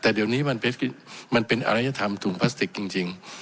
แต่เดี๋ยวนี้มันเป็นอรัยธรรมถุงพลาสติกจริง